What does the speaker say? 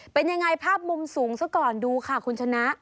เป็นยังไงภาพมุมสูงซะก่อนดูค่ะคุณชนะ